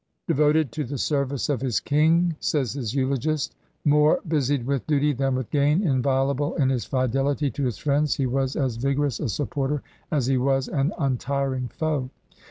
"Devoted to the service of his king," says his eulogist, "more busied with duty than with gain; inviolable in his fidelity to his friends, he was as vigorous a supporter as he was an untiring foe."